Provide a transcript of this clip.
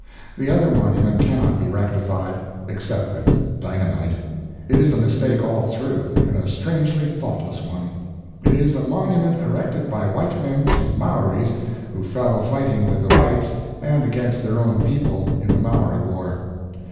The other monument cannot be rectified. Except with dynamite. It is a mistake all through, and a strangely thoughtless one. It is a monument erected by white men to Maoris who fell fighting with the whites and against their own people, in the Maori war.